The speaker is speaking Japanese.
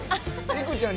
いくちゃん